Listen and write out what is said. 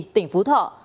tỉnh phú thọ